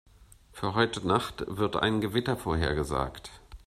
Für heute Nacht wird ein Gewitter vorhergesagt.